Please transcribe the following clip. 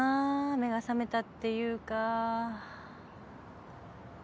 目が覚めたっていうか。